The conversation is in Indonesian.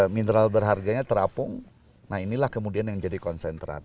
mineral berharganya terapung nah inilah kemudian yang jadi konsentrat